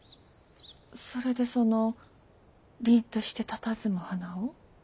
それでその凛としてたたずむ花を？